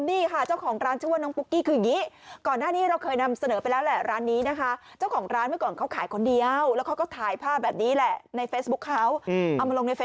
นี่ค่ะเจ้าของร้านชื่อว่าน้องปุ๊กกี้คือยังงี้